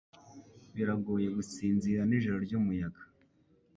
Biragoye gusinzira nijoro ryumuyaga